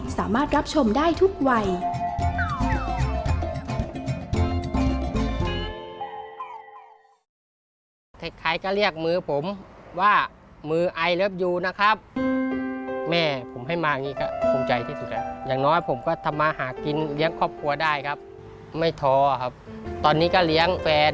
สามารถรับชมได้ทุกวัย